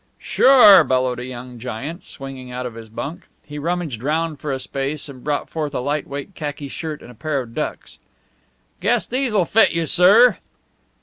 "Sure!" bellowed a young giant, swinging out of his bunk. He rummaged round for a space and brought forth a light weight khaki shirt and a pair of ducks. "Guess these'll fit you, sir."